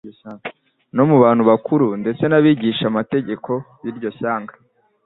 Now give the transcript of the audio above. no mu bantu bakuru ndetse n'abigishamategeko b'iryo shyanga.